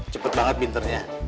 cepet banget pinternya